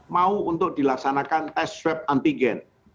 mau untuk dilaksanakan test swab antar